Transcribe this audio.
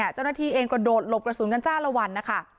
เจ้าหน้าที่เองกระโดดหลบกระสุนกันจ้าละวันนะคะ